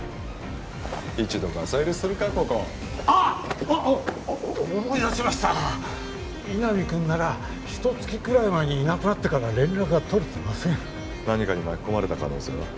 一度ガサ入れするかここあっあっ思い出しました井波君ならひと月くらい前にいなくなってから連絡が取れてません何かに巻き込まれた可能性は？